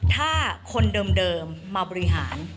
ถ้าคนเดิมมาบริหาร